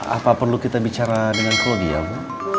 apa perlu kita bicara dengan claudia bu